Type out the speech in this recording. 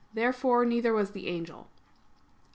Therefore neither was the angel. Obj.